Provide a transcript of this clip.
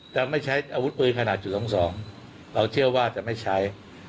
จะไม่ใช้อาวุธปืนขนาดจุด๒๒เราเชื่อว่าจะไม่ใช้